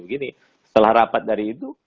setelah rapat dari itu